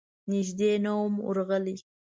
نږدې نه وم ورغلی.